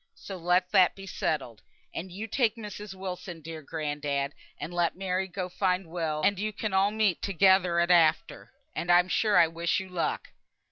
So let that be settled. And you take Mrs. Wilson, dear grandad, and let Mary go find Will, and you can all meet together at after, and I'm sure I wish you luck."